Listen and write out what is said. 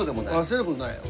焦ることないよ。